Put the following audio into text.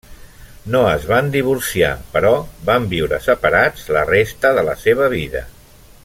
No es van divorciar, però van viure separats la resta de la seva vida.